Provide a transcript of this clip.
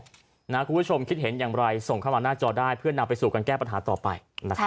คุณผู้ชมคิดเห็นอย่างไรส่งเข้ามาหน้าจอได้เพื่อนำไปสู่การแก้ปัญหาต่อไป